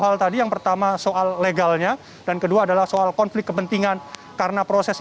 hal tadi yang pertama soal legalnya dan kedua adalah soal konflik kepentingan karena proses